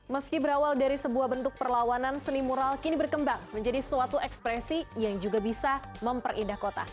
meski berawal dari sebuah bentuk perlawanan seni mural kini berkembang menjadi suatu ekspresi yang juga bisa memperindah kota